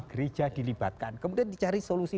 gereja dilibatkan kemudian dicari solusi